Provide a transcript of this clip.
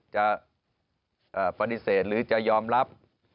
จะปฏิเสธหรือจะยอมรับ